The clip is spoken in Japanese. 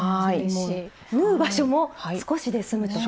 縫う場所も少しで済むと？